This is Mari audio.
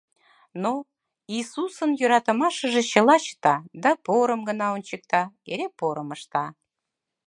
Но Иисусын йӧратымашыже чыла чыта да порым гына ончыкта, эре порым ышта.